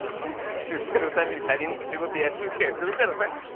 出世のために他人の仕事安請け合いするからだよ。